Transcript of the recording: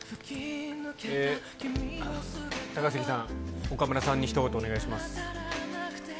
高杉さん、岡村さんにひと言お願いします。